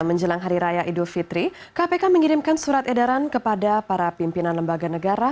menjelang hari raya idul fitri kpk mengirimkan surat edaran kepada para pimpinan lembaga negara